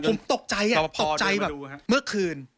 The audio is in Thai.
ผมตกใจตกใจแบบเมื่อคืน